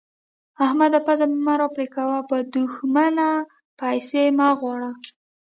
احمده! پزه مې مه راپرې کوه؛ به دوښمنه پيسې مه غواړه.